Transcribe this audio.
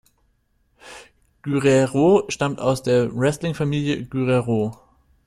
Guerrero stammte aus der Wrestling-Familie Guerrero.